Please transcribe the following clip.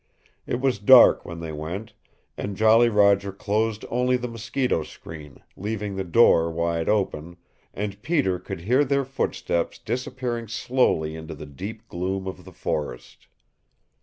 It was dark when they went, and Jolly Roger closed only the mosquito screen, leaving the door wide open, and Peter could hear their footsteps disappearing slowly into the deep gloom of the forest.